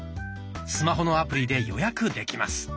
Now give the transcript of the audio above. スマホのアプリで予約できます。